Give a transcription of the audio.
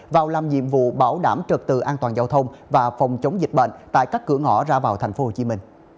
vào làm nhiệm vụ bảo đảm trật tự an toàn giao thông và phòng chống dịch bệnh tại các cửa ngõ ra vào tp hcm